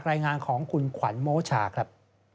รายงานของคุณขวัญโมชาครับ